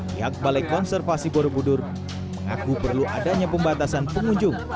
pihak balai konservasi borobudur mengaku perlu adanya pembatasan pengunjung